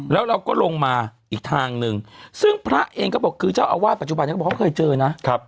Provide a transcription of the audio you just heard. แล้วเราก็ลงมาอีกทางหนึ่งซึ่งพระเองก็บอกคือเจ้าอาวาสปัจจุบันเขาบอกเขาเคยเจอนะ